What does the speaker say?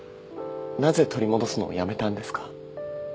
なぜ取り戻すのをやめたんですか？